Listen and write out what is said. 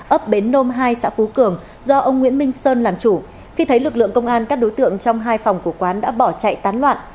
ấp bến nôm hai xã phú cường do ông nguyễn minh sơn làm chủ khi thấy lực lượng công an các đối tượng trong hai phòng của quán đã bỏ chạy tán loạn